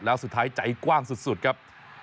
แล้วสุดท้ายใจกว้างสุดครับ